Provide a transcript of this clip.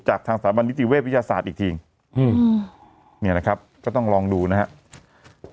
จากทางสถาบันนิติเวทวิทยาศาสตร์อีกทีอืมเนี่ยนะครับก็ต้องลองดูนะครับ